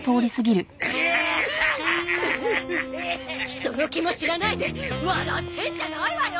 人の気も知らないで笑ってんじゃないわよ！